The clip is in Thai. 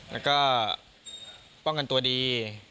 แล้วก็ป้องกันตัวดี